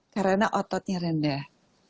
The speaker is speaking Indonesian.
karena ototnya rendah